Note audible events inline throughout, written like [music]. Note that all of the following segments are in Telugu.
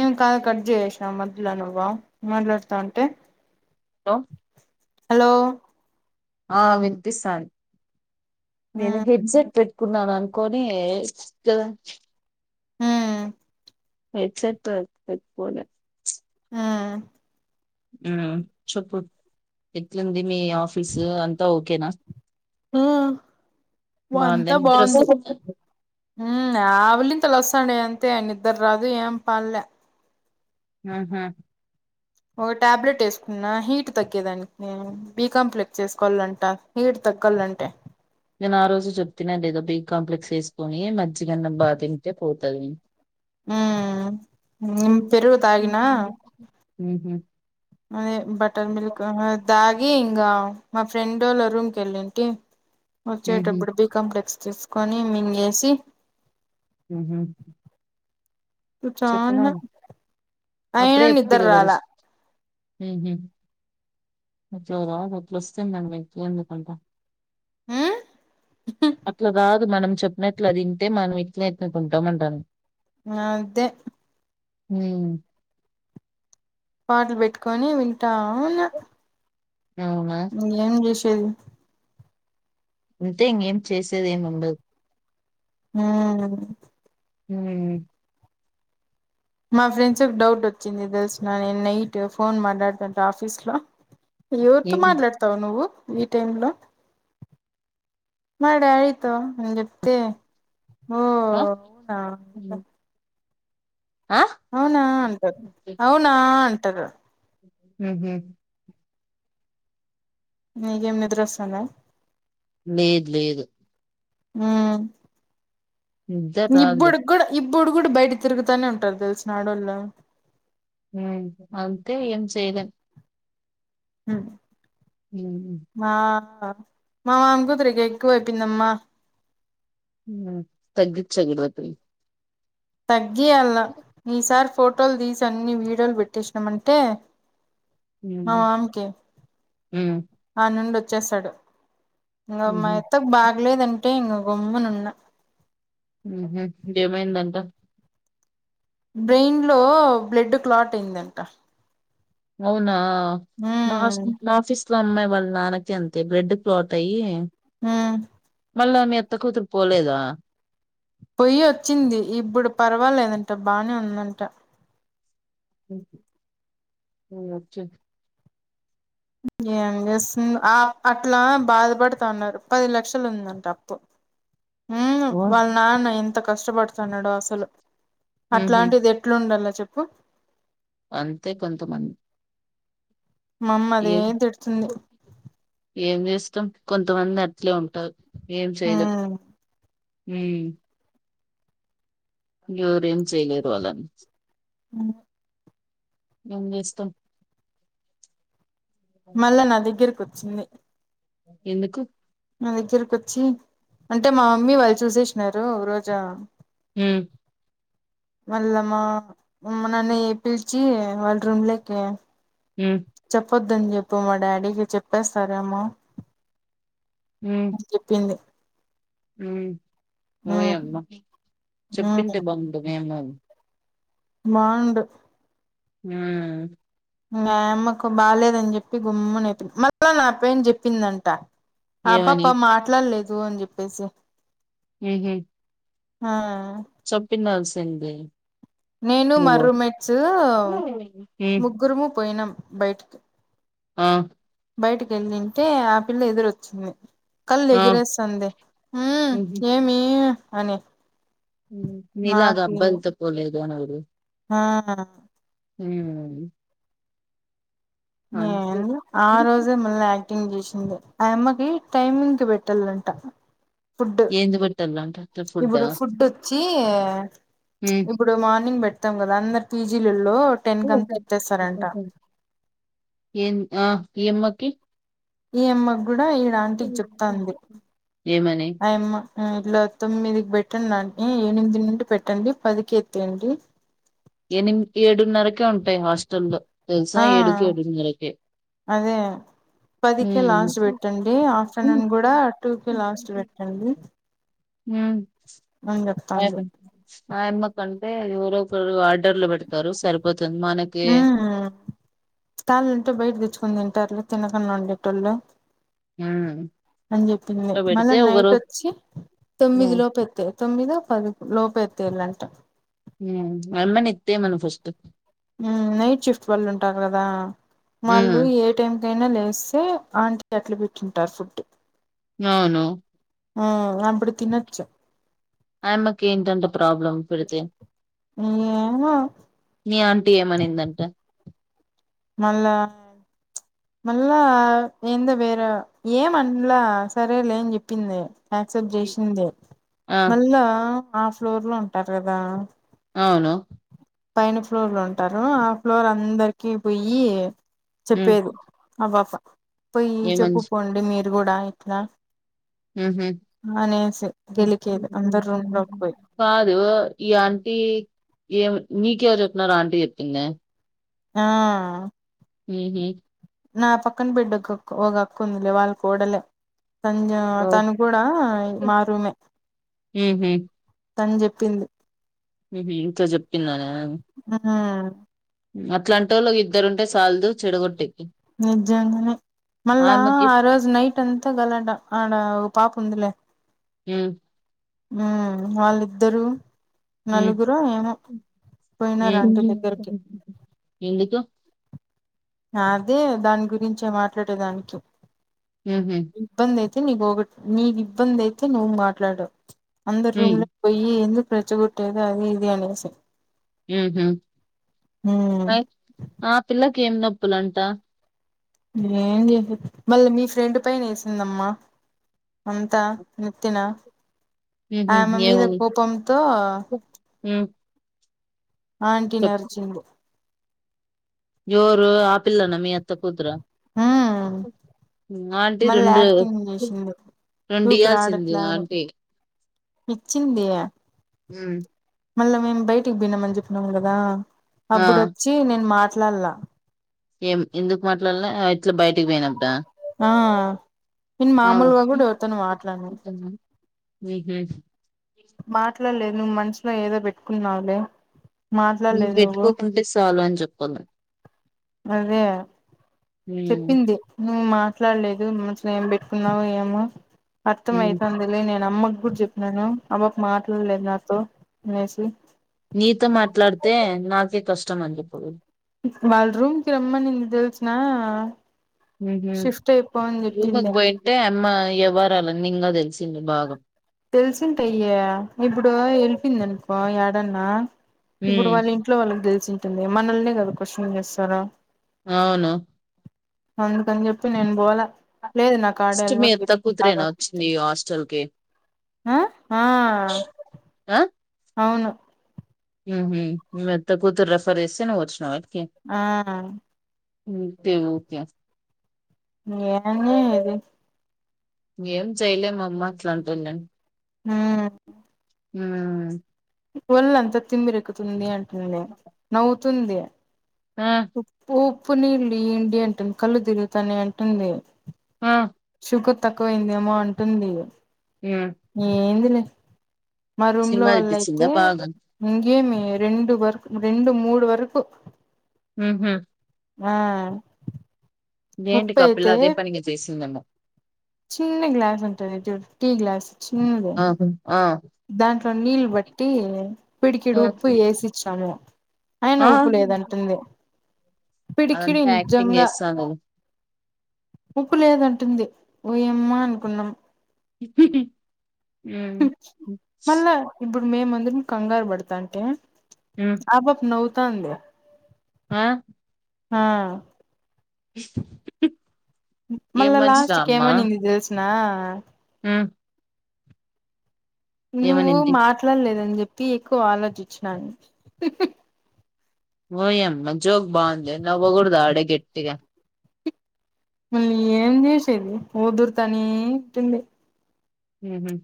ఏం కాల్ కట్ చేయేసినవు మధ్యలో నువ్వు మాట్లాడుతా ఉంటే హలో హలో ఆ వినిపిస్తుంది నేను మ్మ్ హిప్జెట్ పెట్ పెట్టుకొని అనుకోని కదా హ హెడ్సెట్ పెట్టుకోల ఆ చెప్పు ఎట్లుంది మీ ఆఫీసు అంతా ఓకేనా ఆ బాగుందా అంతా నిద్ర బాగుంది వస్తుందా ఆవలి ఇత్తలు వస్తాండ అంతే నిద్ర రాదు ఏం పల్లే ఆహా ఒక టాబ్లెట్ వేసుకున్నా హీట్ తగ్గేదానికి బీ కాంప్లెక్స్ వేసుకోవాలంట హీట్ తగ్గాలంటే నేను ఆ రోజు చెప్తన్నా లేదో బి కాంప్లెక్స్ వేసుకొని మజ్అన్నం బా తింటే పోతుది హ నిమ్ పెరుగు తాగిన హహ మరి బటర్ మల్క్ దాగ్ అ ఇంకా మా ఫ్రెండ్ వాళ రూమ్ క వెళ్ళింటి ఉహు వచ్చేట్బ్బడు బీ కాంప్లెక్ కొని మింగేసి హ చ అయన నిద్ర రాల చదట్లు వస్తే మం వె ఎందుకంట ఉమ్ అ్లాదా మనం చెప్పినట్లు తింటే మనం ఇట్ల ఎట్కుంటాం అంటాను అదే హ పాటలు పెట్టుకొని వింటాము అవునా ఏం చేష చెల్ అంటే ఇంకేం చేసేది ఏమి ఉండదు హ హ మా ఫ్రెండ్స్ ఒక డౌట్ వచ్చింది తెలుసిన నేను నైట్ ఫోన్ మాట్లాడుతుంట ఆఫీస్లో ఇవరు త ఏం మాట్లాడతావ్ నువ్వు ఈ టైమ్ లో మా డాడీతో నేను చెప్తే ఓ ఆ అవునా ఆ అవునా ఉంట అవునా ఉంట త్తగ హ నీకేం నిద్ర వస్తాను లేదు లేదు ఆ నిద్ర ఇ రాదులే బుడుగుడు ఇబ ఇప్పుడు కూడా బయట తిరుగుతానే ఉంటారు తెలిసిన ఆడోళ్ళు అంతే ఏం చేదన్ హ హ్మ్ ఆ మామామ్కూతుర కేక పోయి పిందమ్మా తగ్గించ చెగిల్వ త త అగే అల్ ఈ సర్ఫ్ ఫోటోలు తీసి అన్ని వీడియోలు పెట్టిసాం అంటే హ్మ్ మా మామ్క హ్మ్ ఆనండ చేసాడు ఇ అమ్మా ఊహూ ఎయిత్తగ్ బాలేదండి ఇ రొబ నన్న దేమైందంటా బ్రెయిన్ లో బ్లడ్ క్లాట్ అయిందంట అవునా మా ఉమ్ మాఫస్ అట్లా అమ్మాయి వాళ్ళ నాన్నకకి అంతే బ్లెడ్ క్లాట్ అయ్యి ఆ మళ్ళ మీ అ త్త కూతురు పోలేదా పొయ్యి వచ్చింది ఇబ్బడు పర్వాలేదంట బానే ఉందంట ఓకే ఏం చేస్తు అట్లా బాధపడుతాన్నారు పది లక్షలు ఉందంటడి అప్పు ఉ వాళ్ళు నాన్న ఎంత కష్టపడుతున్నాడు అసలు ఉహు అట్లాంటిది ఎట్లుండాలి చెప్పు అంతే కొంతమంది మామ్మ అదే ఏం తిడుతుంది ఏం చేస్తాం కొంతమంది అట్లే ఉంటారు ఏం చేయలే హ ఎరు ఏం చేయలేరు అళని అ మం ఇస్తాం మళ్ళ నా దగ్గిర్ కుతు చిన్న ఎందుకు మా దగ్గరకు వచ్చి అంటే మా మమ్మీ వాళ్ళు చూసేసినారు రోజా హ మళ్ళా మా నన్ను పిలిచి వాళ్ళ రూమ్లకి హ చెప్పొద్దని చెప్పు మా డాడీకి చెప్పేస్తారేమో చెప్పింది హ ఓయమ్మా చెప్పింటే బాగుంది మేము మడు ఆ మా అమ్మకు బాలేదని చెప్పి గుమ్ము నేప్పింది మళ్ళా నా పెన్ చెప్పిందంట ఆ ఏమని పాప మాట్లాడలేదు అని చెప్పేసి హహ ఆా సొప్పినల్ సింగ్ నేను మా రూమ్మేట్స్ ఉమ్ ముగ్గురుము పోయినాం బయటికి ఆ బయటకి వెళ్ తింటే ఆ పిల్ల ఎదురుచ్చింది కళ ఆ ఎగిరేందే హ ఉహు ఏమి అని నీలాగా అబ్బాలతో పోలేదు అనాలి ఆహా హ ఏ ఆ అంతే రోజే మళ్ళీ యాక్టింగ్ చేసింది ఆయమ్మకి టైమింగ్కి పెట్టాలంట ఫుడ్ ఏంది పెట్టాలంట అట్లా ఫుడ్డా ఇప్పుడు ఫుడ్ వచ్చి ఉమ్. ఇప్పుడు మార్నింగ్ పెట్ తమ రాగంగనే తీసికెళ్లు ఇప్పుడు టెంత్ అంత వేస్తేస్తారంట ఏన్ ఆ ఎమ్మకి ఏ అమ్మ కూడా ఈడు ఆంటి చెప్తాంది ఏమని ఆయమ్మ ఇలా తొమ్మిది పెట్టండిడి ఎనిమిది నుండి పెట్టండి పదికి ఎత్తేయండి ఏడున్నరకే ఉంటు ఆ ఏడున్నరకే అదే పదికే ఉమ్ లాస్ట్ పెట్టండి ఆఫ్టర్నూన్ కూడా టూకే లాస్ట్ పెట్టండి హ అని చెప్తాంది ఆయెమ్మ కానీ రోడ్లో పెడతారు సరిపోతే హ కాల్ ఉంట బయటదిచ్చు తింటారులు తినకడా ఉండేటళ్ళు ఉమ్ అని చెప్పింది అట్లా పెడితే మళ్ళీ ఒకరు నైట్ వచ్చి తొమ్మిది ఉమ్, లోపు పెట్టు తొమ్మిదిపది లోప ఎతే ఏళ్ళుంట హ అమని ఇంతతే మన ఫస్ట్ నైట్ నైట్ షిఫ్ట్ వళ్ళు ఉంటాారు కదా మళ్ళు ఉమ్ ఏ టైం పొద్దున్నే లేస్తే ఆంటీ తట్టలో పెట్టింటారు ఫుడ్ అవును హమ్ అప్పుడు తీనచ్చు ఆయమ్మకి ఏంటంటే ప్రాబ్లమ్ పెడితే ఏమో నీ ఆంటీ ఏమనిందంట మళ్ళా మళ్ళా ఏందో వేరే ఏమంలా సరే లేని చెప్పింది యాక్సెప్ట్ చేసిందే ఆ మళ్ళా ఆ ఫ్లోర్ లో ఉంటారు కదా అవును పైన ఫ్లోర్లు ఉంటారు ఆ ఫ్లోర్ అందరికి పోయ్యి ఉమ్, చెప్పలేదు అనుకున్నా పోయి ఏమని చెప్పు చె- పోండి మీరు కూడా లా గెలికేది అందరు రూమ్ లోకి పోయి కాదు ఈ ఆంంట ఏం నీక ఎవరు చెప్తున్నారో ఆంటీ చెప్పింది ఆ హ నా పక్కన బిడ్కి గాకుందిలే వాళ్ళకడలే త తను కూడా ఓకే. మారుమే ఉహు తని చెప్పింది ఇకా చెప్పింద న ఆ అట్లాంట వాళ్ళ ఇద్దరుంటే సల్దు చెడగొట్టి నిజంగానే మళ్ళా ఆమెకి ఆ రోజు నైట్ అంతా గలట ఆడ పాప ఉందిలే హ ఉ వాళ్ళిద్దరు ఉమ్ నలుగురు ఏమ పోయినార ఉమ్ అంటు దగ్గరికి ఎందుకు అదే దాని గురించి మాట్లాడేదానికి ఉహు ఇ న అయితే నీకు ఒకటి నీ ఇబ్బంది అయితే నువ్వు మాట్లాడవు అంద రూమ్ ఉమ్ లో పోయి ఎ ప్రచ్చ కుట్టేదు అది ఇదినస ఉమ్ ఆ పిల్ల ఏం నొప్పులుంట ఏం చేసి మళ్ళీ మీ ఫ్రెండ్ పైన వేసిందమ్మా అంతా నెత్తిన ఉహు ఆమె మీద కోపంతో ఆ ఆంట నర్చంగ్మా జోర్ ఇ ఆపిల్లన్న మీ అత్త కూతుర ఆ ఆంటీ మళ్ళీ రెండు యాక్టింగ్ చేసింది రెండు ఇవల్సింది ఆంటీ ఇచ్చిందయా హ మళ్ళ మేమ్ బయటికి పీన్న మని చెప్పినవంగదా ఆ హబ్బుడుొచ్చి నేన్ మ లల్లా ఏం ఎందుకు మాట్లాడ్లా ఇట్లా బయటకి పోయినప్పుడా ఆ నేను ఆ మామూల్గా కూడ ఎవరితోను మాట్లాడను ఉహు మాత్ ఇట్లా లేదు నువ్వు మన్సులో ఏదో పెట్టుకున్నావలే మాట్లాడలేదు నువ్వు పెట్టుకోకుంటే చాలు అని చెప్పాలి అదే ఉమ్ చెప్పింది నువ్వు మా మాట్లాడలేదు మన్సులో ఏం పెట్టుకున్నావో ఏమ అర్థం ఉమ్ అయితాందిలె నే న్ అమ్మకు చెప్తాను అమ్మకు మాట్లాడలేదు నాతో అనేసి నీతో మాట్లాడితే నాకే కష్టం అంది ఇప్పుడు వాళ్ళ రూమ్ కి రమ్మని తెలిసిన ఊహు షిఫ్ట్ అయిపో అని రూపకి చెప్పింది పోయింటే అమ్మ ఇ ఎవారలో నిన్న తెచ్చిండు బాగ తెలిసింటె అయ్యా ఇప్పుడు వెలిపింది అనుకో యాడన్నా ఇప్పుడు ఉమ్ వాళ్ళ ఇంట్లొ వాళ్ళకి తెలిసి తి మిమ్మల్నె కదా క్వశ్చన్ చేస్తరా అవును అందుకని చెప్పి నేన్ బోల ఫస్ట్ మీది కూతురేనా వచ్చింది హాస్టల్ కి అ ఆా అవును ఊహు మీ అత్త కూతురు రిఫర్ చేస్తే నువ్ వచ్చినవ ఆ తెవ్ కె ఎంది అది ఏం చేయ్లే మా అమ్మ అట్ల అంటున్న ఉ ఉ వల్లంత తిిమ్మిరెక్కుతుంది అంట ఉమ్ నువ్ తుంది ఆ ఉపు ఊ ఉప్పునీళ్ళు ఇయ్యండి అంటుంది కల్లు తిరుగుతాయని అంటుంది ఆ కు తక్కువయిందేమో అంటుంది ఉమ్ ఏందిలే మా రూమ్ లో సినిమా వాళ్ల చూపించిందా అయితే బాగా ఏమి రెండు వరకు రెండు మూడు వరకు ఉహు ఆ ఏంటి ఉప్పు కాపిల్ అదే పనిగా చేసినందేమో చిన్ని గ్లాస్ ఉంటది చూడ్ టీ గ్లాస్ చిన్నది ఆహా ఆ దాంట్లో నీళ్ళు బట్టి పిడికిడి ఆ ఉప్పు వేసిచ్చాము ము అయిన ఆ. ఊప్పు లేదంటుంది పిడికిడి అదంతా యాక్టింగ్ నిజంగా చేస్తాందది ఉప్పు లేదంటుంది ఊయమ్మా అనుకున్నాం [inaudible] మళ్ళా ఇబ్బ మేమందరం కంగారు పడతాంటే ఉమ్ ఆ పాప నవ్వుత్ తంద ఆ ఆ [inaudible] ఏం మళ్ళా లాస్ట్ కేమనింది తెలుసిన ఆ హ్మ్ నువ్వు మాట్లాడలేదని చెప్పి తి ఎక్కువ ఆలోచించినాను ఓయ్యమ్మ జోగ్ బాగుందే నవ్వగూడద ఆడే గట్టిగా మళ్ళీ ఏం చేసేది ఊదురుతనే ఉంటుంది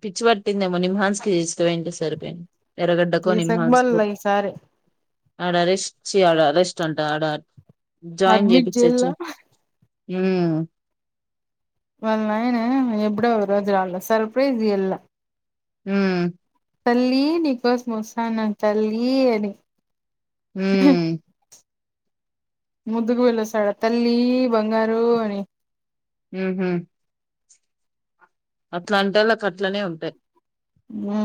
పిచ్చి పట్టిందేమో నిమ్హాన్స్కి తీస్కపోయింటే సర్ పెయి ఈ సగబల్ల ఈ సారే ఆడా రెస్ట్ ఆ రెస్ట్ ఆడా అడ్మిట్ జైల్లా హ్మ్ వాళ్ళు నాయనే కూడా రోజు సరిపీంది ఇది అల హ్మ్ తల్లి నికోస్మస్తానా తల్లి అని హ ముద్దుకు వెళ్ళస్తాడ తల్లి బంగారు అని హ హమ్ అట్లా అంటే వాళ్క అట్లనే ఉంటాయి ఆ